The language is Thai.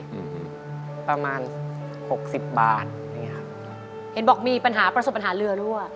ซีลาเลยประมาณ๖๐บาทได้ยังไงครับเห็นบอกมีปัญหาประสุนปัญหาเรือรู้หรอ